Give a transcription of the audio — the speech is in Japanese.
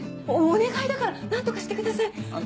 お願いだから何とかしてください。